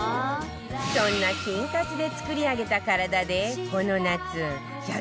そんな菌活で作り上げた体でこの夏１００